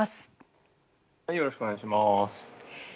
よろしくお願いします。